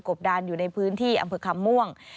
ดานอยู่ในพื้นที่อำเภอคำม่วง